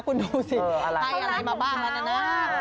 คุณดูสิให้อะไรมาบ้างแล้วนะ